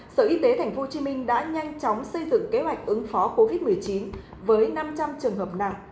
sở y tế tp hcm đã nhanh chóng xây dựng kế hoạch ứng phó covid một mươi chín với năm trăm linh trường hợp nặng